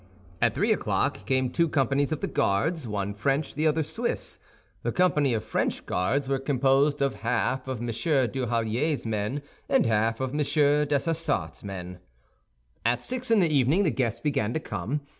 At three o'clock came two companies of the Guards, one French, the other Swiss. The company of French guards was composed of half of M. Duhallier's men and half of M. Dessessart's men. At six in the evening the guests began to come.